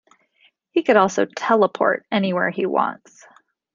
He could also "Teleport" anywhere he wants.